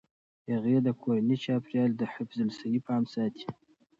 هغې د کورني چاپیریال د حفظ الصحې پام ساتي.